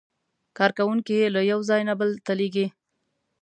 کارکوونکي یې له یو ځای نه بل ته لېږي.